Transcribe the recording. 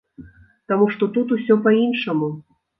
Таму што тут усё па-іншаму.